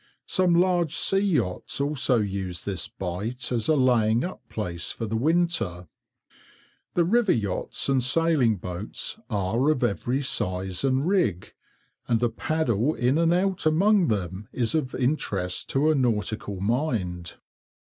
Some large sea yachts also use this bight as a laying up place for the winter. The river yachts and sailing boats are of every size and rig, and a paddle in and out among them is of interest to a nautical mind.